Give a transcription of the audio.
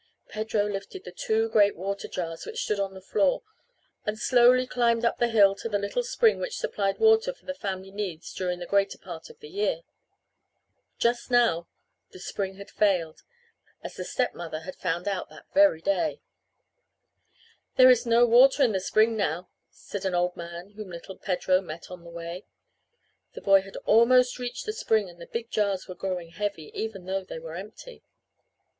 Pedro lifted the two great water jars which stood on the floor and slowly climbed up the hill to the little spring which supplied water for the family needs during the greater part of the year. Just now the spring had failed, as the stepmother had found out that very day. [Illustration: Pedro lifted the two great jars and slowly climbed up the hill] "There is no water in the spring now," said an old man whom little Pedro met on the way. The boy had almost reached the spring and the big jars were growing heavy even though they were empty.